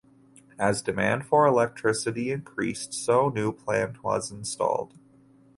As demand for electricity increased so new plant was installed.